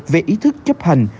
về ý thức chấp hành